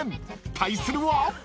対するは］